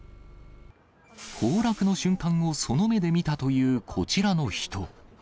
崩落の瞬間をその目で見たというこちらの人。